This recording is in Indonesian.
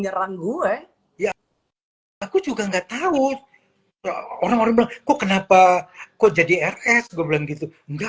yang juga nggak tahu orang orang kok kenapa kok jadi rs gua bilang gitu nggak